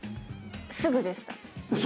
すぐでした。